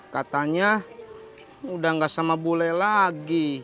katanya udah gak sama bule lagi